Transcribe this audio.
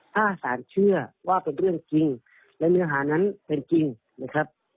ถ้าสารเชื่อว่าเป็นเรื่องจริงและเนื้อหานั้นเป็นจริงนะครับ